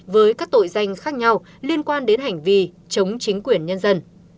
với các tội danh khác nhau liên quan đến hành vi chống chính quyền nhân dân